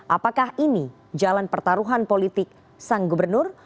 apakah ini jalan pertaruhan politik sang gubernur